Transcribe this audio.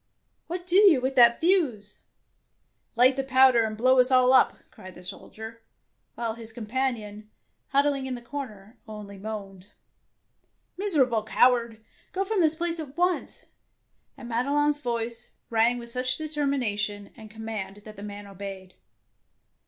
" What do you with that fuse ? "Light the powder and blow us all up," cried the soldier, while his com panion, huddling in the corner, only moaned. " Miserable coward, go from this place at once!'' and Madelon's voice 104 * DEFENCE OF CASTLE DANGEROUS rang with such determination and com mand that the man obeyed.